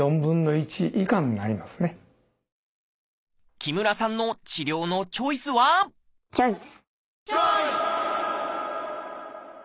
木村さんの治療のチョイスはチョイス！